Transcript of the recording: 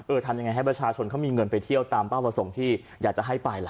ทำยังไงให้ประชาชนเขามีเงินไปเที่ยวตามเป้าประสงค์ที่อยากจะให้ไปล่ะ